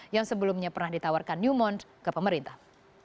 yang sebelumnya pernah ditawarkan newmont ke pemerintah